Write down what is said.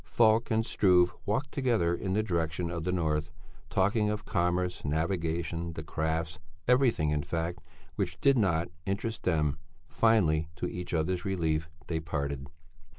Falk and Struve walked together in the direction of the north, talking of commerce, navigation, the crafts, everything in fact which did not interest them; finally, to each other's relief, they parted.